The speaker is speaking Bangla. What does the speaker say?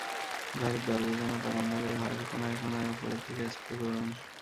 ঘরের দরজা-জানালা বন্ধ করে ঘরের কোনায় কোনায় ওপরের দিকে স্প্রে করুন।